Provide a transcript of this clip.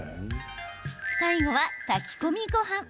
最後は炊き込みごはん。